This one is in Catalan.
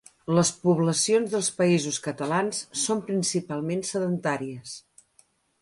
Les poblacions dels països catalans són principalment sedentàries.